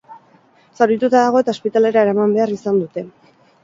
Zaurituta dago eta ospitalera eraman behar izan dute.